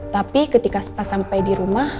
tapi ketika pas sampai di rumah